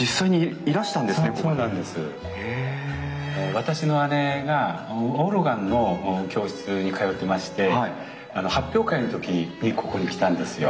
私の姉がオルガンの教室に通ってまして発表会の時にここに来たんですよ。